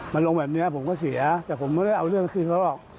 มันลงแบบนี้ผมก็เสียแต่ผมไม่ได้เอาเรื่องคืนเขาหรอก